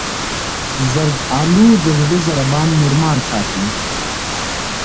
زردالو د زړه ضربان نورمال ساتي.